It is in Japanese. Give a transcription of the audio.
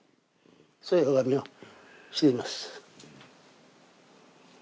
そういう拝みをしています。